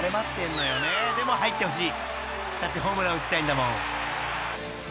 だってホームラン打ちたいんだもん］